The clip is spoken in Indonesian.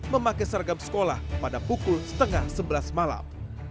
memakai seragam sekolah pada pukul setengah sebelas malam